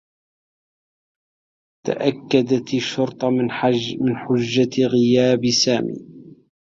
تأكّدت الشّرطة من حجّة غياب سامي.